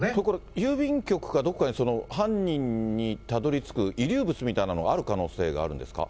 郵便局かどっかに、犯人にたどりつく遺留物みたいなのがある可能性があるんですか。